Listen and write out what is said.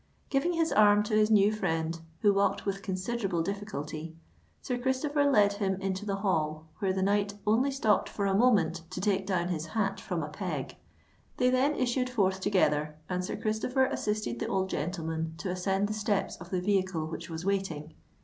Giving his arm to his new friend, who walked with considerable difficulty, Sir Christopher led him into the hall, where the knight only stopped for a moment to take down his hat from a peg. They then issued forth together, and Sir Christopher assisted the old gentleman to ascend the steps of the vehicle which was waiting.